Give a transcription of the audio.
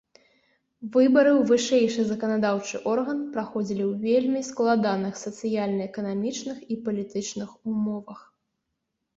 Выбары ў вышэйшы заканадаўчы орган праходзілі ў вельмі складаных сацыяльна-эканамічных і палітычных умовах.